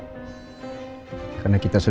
itu ada ganas kasih